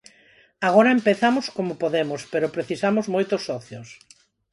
Agora empezamos como podemos, pero precisamos moitos socios.